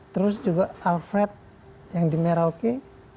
terus juga alfred yang di merauke